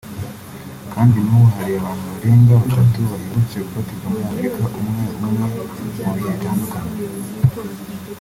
kandi n’ubu hari abantu barenga batatu baherutse gufatirwa muri Amerika umwe umwe mu bihe bitandukanye